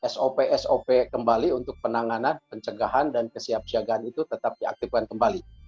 sop sop kembali untuk penanganan pencegahan dan kesiapsiagaan itu tetap diaktifkan kembali